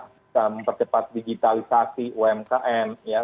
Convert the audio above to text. bisa mempercepat digitalisasi umkm ya